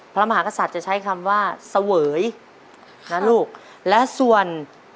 พระมหากษัตริย์จะใช้คำว่าเสวยนะลูกและส่วน